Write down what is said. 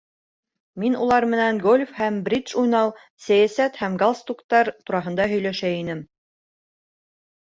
Мин улар менән гольф һәм бридж уйнау, сәйәсәт һәм галстуктар тураһында һөйләшә инем.